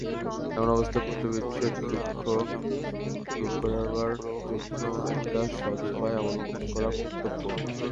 এমন অবস্থায় পুত্রবিচ্ছেদদুঃখ দূর করবার জন্যে একটা সদুপায় অবলম্বন করা কর্তব্য।